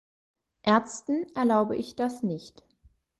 Ärzten erlaube ich das nicht.